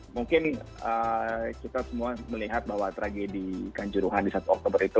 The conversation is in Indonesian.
mungkin kita semua melihat bahwa tragedi kanjuruhan di satu oktober itu